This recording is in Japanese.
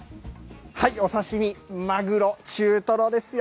お刺身、マグロ、中トロですよ。